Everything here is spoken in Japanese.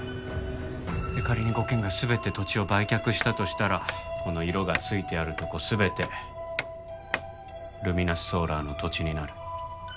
仮に５軒が全て土地を売却したとしたらこの色がついているとこ全てルミナスソーラーの土地になる。